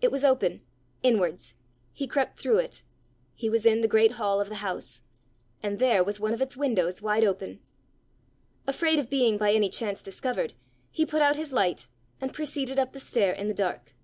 It was open inwards; he crept through it: he was in the great hall of the house and there was one of its windows wide open! Afraid of being by any chance discovered, he put out his light, and proceeded up the stair in the dark.